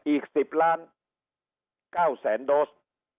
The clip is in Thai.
อีก๑๐ล้าน๙แสนโดส